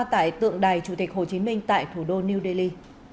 tại tượng đài chủ tịch hồ chí minh tại thủ đô new delhi